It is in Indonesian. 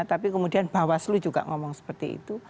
tapi kemudian bawaslu juga ngomong seperti itu